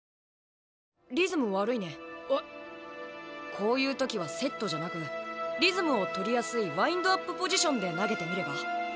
こういう時はセットじゃなくリズムを取りやすいワインドアップポジションで投げてみれば？